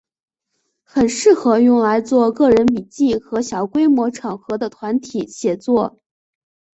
很适合用来做个人笔记和小规模场合的团体写作。